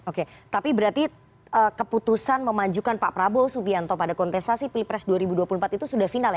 oke tapi berarti keputusan memajukan pak prabowo subianto pada kontestasi pilpres dua ribu dua puluh empat itu sudah final ya